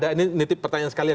ini nitip pertanyaan sekalian